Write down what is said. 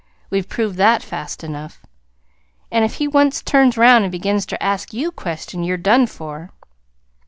We've proved that fast enough. An' if he once turns 'round an' begins ter ask YOU questions, yer done for!"